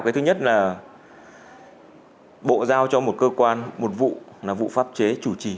cái thứ nhất là bộ giao cho một cơ quan một vụ là vụ pháp chế chủ trì